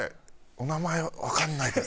お名前わかんないです。